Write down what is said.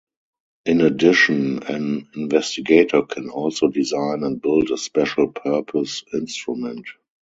In addition an investigator can also design and build a special purpose instrument.